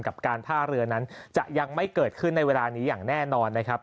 กับการท่าเรือนั้นจะยังไม่เกิดขึ้นในเวลานี้อย่างแน่นอนนะครับ